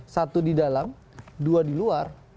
satu di dalam dua di luar